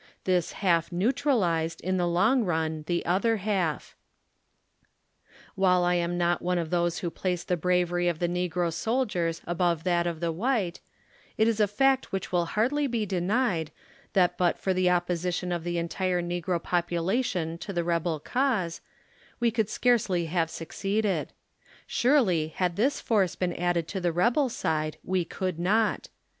This half neutralized, in the long run, the other half. 12 While I am not one of those who place the bravery of the neo ro soldiers above that of the white, it is a fact which will hardly be denied, that but for the opposition of the entire negro population to the rebel cause, we could scarcely have succeeded; surely, had this force been added to the rebel side, we could not.